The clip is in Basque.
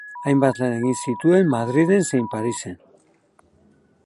Hainbat lan egin zituen Madrilen zein Parisen.